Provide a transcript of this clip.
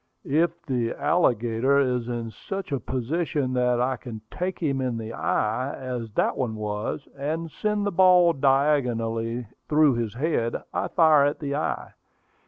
"If the alligator is in such a position that I can take him in the eye, as that one was, and send the ball diagonally through his head, I fire at the eye.